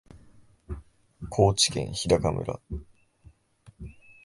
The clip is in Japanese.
高知県日高村